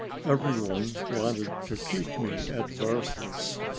Every one wanted to keep me at Varses.